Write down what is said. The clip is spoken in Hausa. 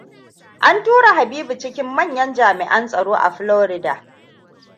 An tura Habibu cikin manyan jami'an tsaro a Florida.